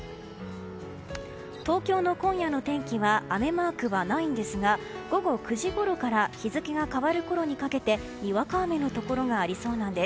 東京の今夜の天気は雨マークはないんですが午後９時ごろから日付が変わるころにかけてにわか雨のところがありそうなんです。